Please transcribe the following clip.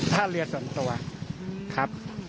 ถ้าเรือส่วนตัวครับ